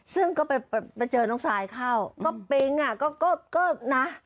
ซึ่งก็ไปเจอน้องซายเข้าก็เป็นอย่างไรก็นะ